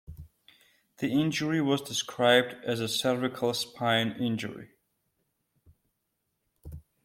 The injury was described as a cervical spine injury.